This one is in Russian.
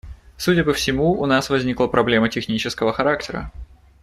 Судя по всему, у нас возникла проблема технического характера.